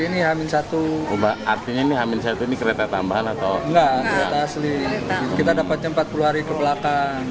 ini hamil satu artinya hamil satu kereta tambahan atau enggak asli kita dapat empat puluh hari kebelakang